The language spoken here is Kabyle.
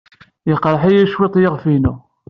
Yeqreḥ-iyi cwiṭ yiɣef-inu.